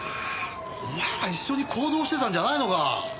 お前ら一緒に行動してたんじゃないのか？